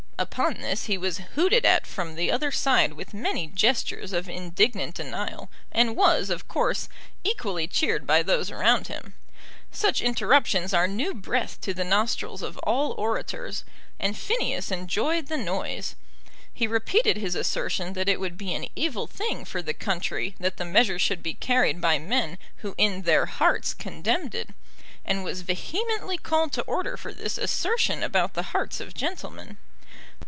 Upon this he was hooted at from the other side with many gestures of indignant denial, and was, of course, equally cheered by those around him. Such interruptions are new breath to the nostrils of all orators, and Phineas enjoyed the noise. He repeated his assertion that it would be an evil thing for the country that the measure should be carried by men who in their hearts condemned it, and was vehemently called to order for this assertion about the hearts of gentlemen.